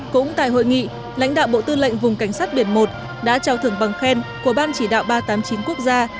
cũng tại hội nghị lãnh đạo bộ tư lệnh vùng cảnh sát biển một đã trao thưởng bằng khen của ban chỉ đạo ba trăm tám mươi chín quốc gia